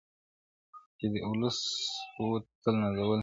چي دې اولس وه تل نازولي -